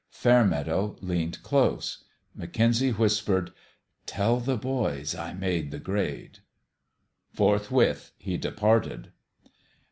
Fairmeadow leaned close. McKenzie whispered :" Tell the boys I made the grade !" Forthwith he departed.